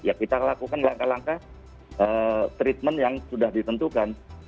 ya kita lakukan langkah langkah treatment yang sudah ditentukan